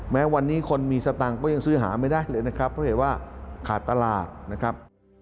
แม้วันนี้คนมีสตังค์ก็ยังซื้อหาไม่ได้เลยนะครับเพราะเหตุว่าขาดตลาดนะครับ